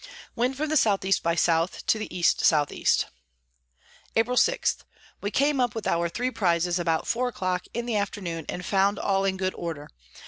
Wind from the S E by S. to the E S E. April 6. We came up with our three Prizes about four a clock in the Afternoon, and found all in good order.